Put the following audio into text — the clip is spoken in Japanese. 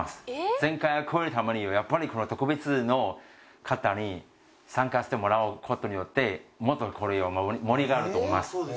前回を超えるためにはやっぱりこの特別の方に参加してもらう事によってもっとこれを盛り上がると思います。